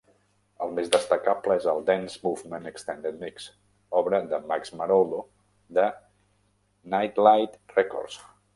El més destacable és el "Dance Movement Extended Mix", obra de Max Maroldo de Nitelite Records.